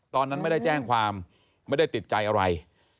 ตอนนั้นไม่ได้แจ้งความไม่ได้ติดใจอะไร